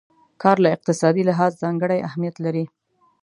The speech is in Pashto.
کار له اقتصادي لحاظه ځانګړی اهميت لري.